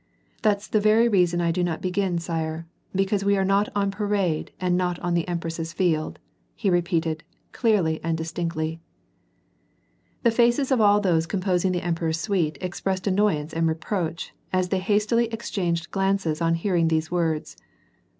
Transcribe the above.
^^ That's the very reason that I do not begin, sire, because we are not on parade and not on the Empress's Field," he repeated, clearly and distinctly. The faces of all those composing the emperor's suite ex pressed annoyance and reproach^ as they hastily exchanged glances on hearing these words.